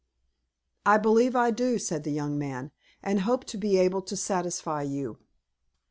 "I believe I do," said the young man, "and hope to be able to satisfy you."